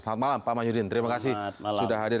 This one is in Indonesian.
selamat malam pak mah yudin terima kasih sudah hadir